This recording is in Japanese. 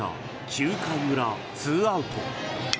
９回裏２アウト。